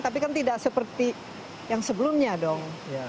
tapi kan tidak seperti yang sebelumnya dong